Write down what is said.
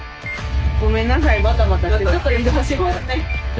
ごめんなさいバタバタして。